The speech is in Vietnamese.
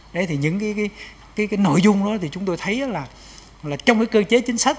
đấy thì những cái nội dung đó thì chúng tôi thấy là trong cái cơ chế chính sách